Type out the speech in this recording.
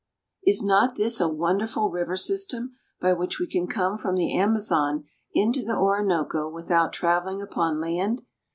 IS not this a wonderful river system by which we can come from the Amazon into the Orinoco without traveling upon land?